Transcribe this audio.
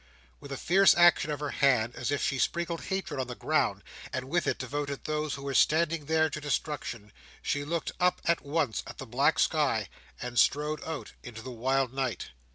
With a fierce action of her hand, as if she sprinkled hatred on the ground, and with it devoted those who were standing there to destruction, she looked up once at the black sky, and strode out into the wild night.